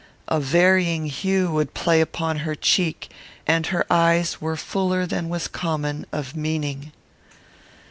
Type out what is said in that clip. A varying hue would play upon her cheek, and her eyes were fuller than was common, of meaning.